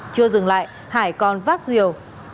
chưa dừng lại hải còn vác rìu